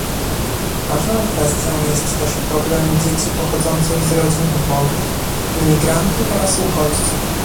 Ważną kwestią jest też problem dzieci pochodzących z rodzin ubogich, imigrantów oraz uchodźców